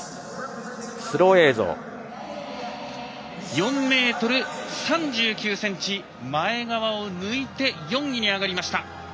４ｍ３９ｃｍ前川を抜いて４位に上がりました。